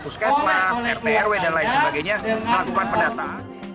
puskesmas rt rw dan lain sebagainya melakukan pendataan